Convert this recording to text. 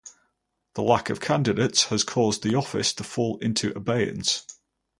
The lack of candidates has caused the office to fall into abeyance.